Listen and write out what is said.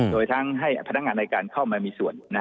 โดยทั้งให้พนักงานในการเข้ามามีส่วน